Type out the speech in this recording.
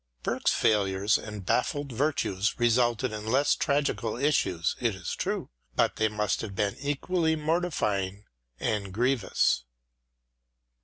Burke's failures and baffled virtues resulted in less tragical issues, it is true, but they 50 EDMUND BURKE 51 must have been equally mortifying and grievous.